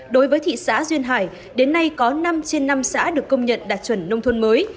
đối với thị xã duyên hải đến nay có năm trên năm xã được công nhận đạt chuẩn nông thôn mới